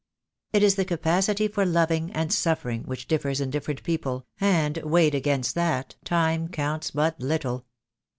It is the capacity for loving and suffering which differs in different people, and weighed against that Time counts but little.